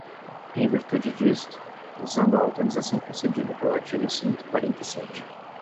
Em virtude disto, usando a autorização concedida pelo artigo cento e quarenta e sete.